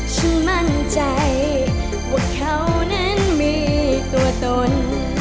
ฉันมั่นใจว่าเขานั้นมีตัวตน